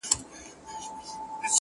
چي ما په خپل ټول ژوند کي -